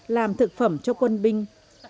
làm thực phẩm cho quân binh